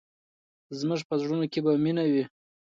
زموږ په زړونو کې به مینه وي.